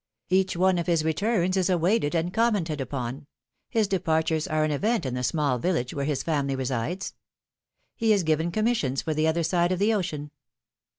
Each one of his returns is awaited and commented upon ; his departures are an event in the small village where his family resides. He is given commissions for the other side of the ocean.